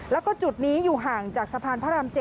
แล้วก็จุดนี้อยู่ห่างจากสะพานพระราม๗